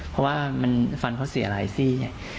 เพราะว่ามันฟันเขาเสียหลายซี่